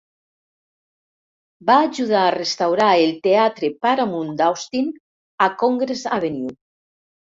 Va ajudar a restaurar el teatre Paramount d'Austin a Congress Avenue.